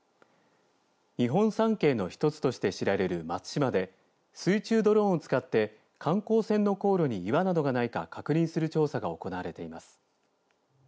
日本三景の１つとして知られる松島で水中ドローンを使って観光船の航路に岩などがないか確認する調査が行われています。